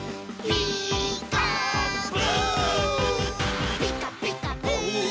「ピーカーブ！」